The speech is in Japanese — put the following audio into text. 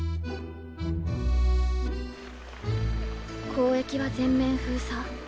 交易は全面封鎖。